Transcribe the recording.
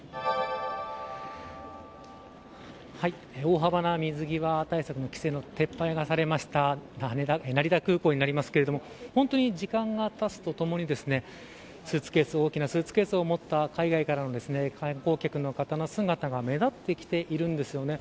大幅な水際対策の規制の撤廃がされました成田空港になりますけれども本当に、時間がたつとともに大きなスーツケースを持った海外からの観光客の方の姿が目立ってきているんですね。